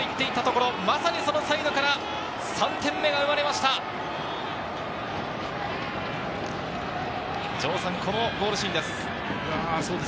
城さん、このゴールシーンです。